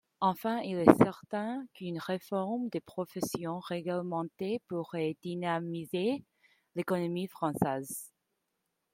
Enfin, il est certain qu’une réforme des professions réglementées pourrait dynamiser l’économie française.